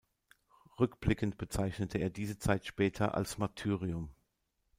Rückblickend bezeichnete er diese Zeit später als Martyrium.